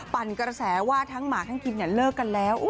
ปั่นกระแสว่าทั้งหมาทั้งกินเลิกกันแล้ว